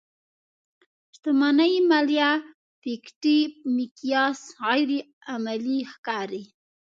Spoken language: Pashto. شتمنۍ ماليه پيکيټي مقیاس غیر عملي ښکاري.